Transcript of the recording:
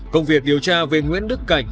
công việc điều tra về nguyễn đức cảnh